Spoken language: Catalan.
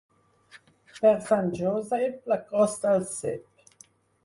Per Sant Josep la crosta al cep.